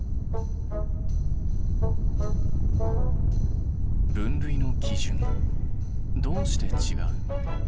分類の基準どうして違う？